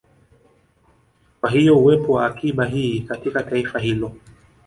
Kwa hiyo uwepo wa akiba hii katika taifa hilo